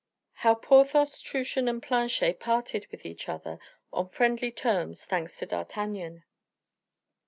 How Porthos, Truchen, and Planchet Parted with Each Other on Friendly Terms, Thanks to D'Artagnan.